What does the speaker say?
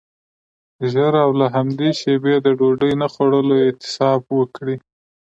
ژر او له همدې شیبې د ډوډۍ نه خوړلو اعتصاب وکړئ.